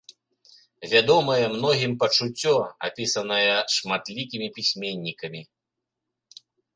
Вядомае многім пачуццё, апісанае шматлікімі пісьменнікамі.